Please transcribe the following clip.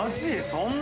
そんな？